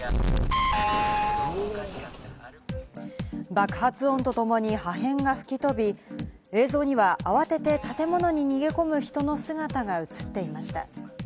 爆発音とともに破片が吹き飛び、映像には慌てて建物に逃げ込む人の姿が映っていました。